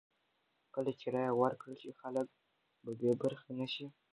کله چې رایه ورکړل شي، خلک به بې برخې نه شي.